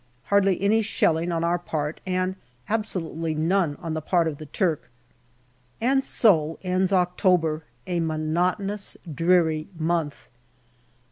Hardly any shelling on our part, and absolutely none on the part of the Turk. And so ends October, a monotonous, dreary month.